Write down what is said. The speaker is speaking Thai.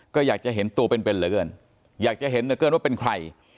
ก็อยากจะเห็นตัวเป็นเป็นเหลือเกินอยากจะเห็นเหลือเกินว่าเป็นใคร